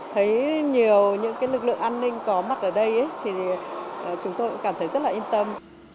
thấy nhiều những lực lượng an ninh có mặt ở đây thì chúng tôi cũng cảm thấy rất là yên tâm